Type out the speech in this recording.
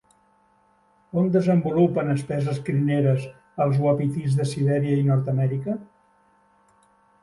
On desenvolupen espesses crineres els uapitís de Sibèria i Nord-amèrica?